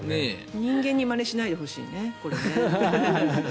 人間にまねしないでほしいですね。